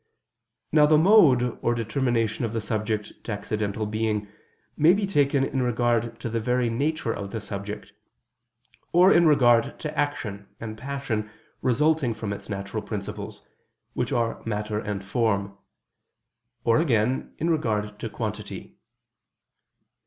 Now the mode o[r] determination of the subject to accidental being may be taken in regard to the very nature of the subject, or in regard to action, and passion resulting from its natural principles, which are matter and form; or again in regard to quantity.